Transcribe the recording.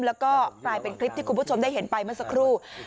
แล้วก็กลายเป็นคลิปที่คุณผู้ชมได้เห็นไปเมื่อสักครู่